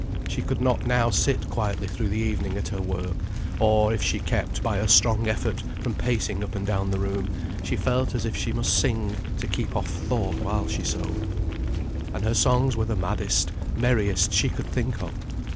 She could not now sit quietly through the evening at her work; or, if she kept, by a strong effort, from pacing up and down the room, she felt as if she must sing to keep off thought while she sewed. And her songs were the maddest, merriest, she could think of.